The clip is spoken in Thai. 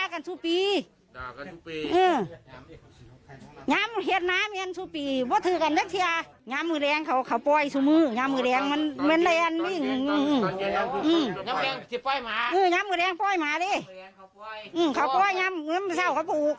เกิดเขาปล่อยมาเล่เค้าปล่อยง่ะปลืนเซ่าเขาปลูก